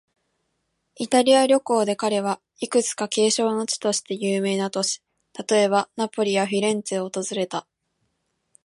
イタリア旅行で彼は、いくつか景勝の地として有名な都市、例えば、ナポリやフィレンツェを訪れた。